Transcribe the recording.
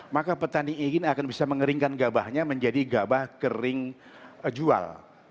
maka petani ingin akan bisa mengeringkan gabahnya menjadi gabah kering jual